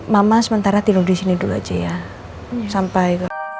mama sementara tidur disini dulu aja ya sampai